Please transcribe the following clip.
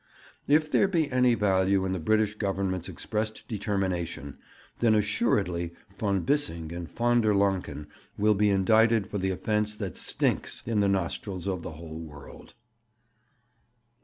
If there be any value in the British Government's expressed determination, then assuredly von Bissing and von der Lancken will be indicted for the offence that stinks in the nostrils of the whole world.